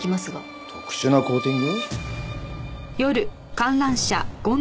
特殊なコーティング？